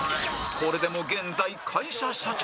これでも現在会社社長